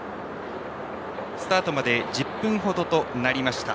スタートまで１０分程となりました。